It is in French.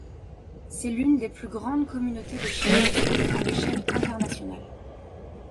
C’est l’une des plus grandes communautés de chirurgiens à l’échelle internationale.